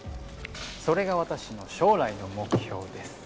「それが私の将来の目標です」